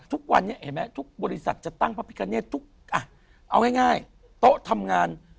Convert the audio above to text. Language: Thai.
ทุกวันนี้เห็นไหมทุกบริษัทจะตั้งพระพิกาเนตทุกอ่ะเอาง่ายโต๊ะทำงาน